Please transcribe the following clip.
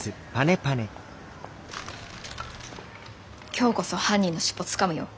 今日こそ犯人の尻尾つかむよ。